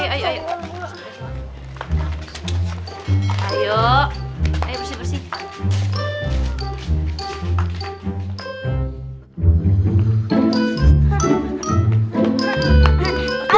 ayo bersih bersih